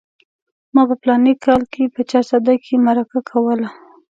ما په فلاني کال کې په چارسده کې مرکه کوله.